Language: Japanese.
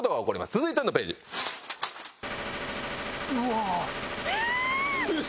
続いてのページ。えっ！？